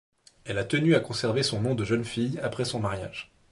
Elle a tenu à conserver son nom de jeune fille après son mariage.